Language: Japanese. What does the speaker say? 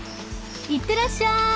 いってらっしゃい！